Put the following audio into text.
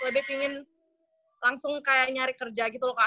lebih pengen langsung kayak nyari kerja gitu loh kak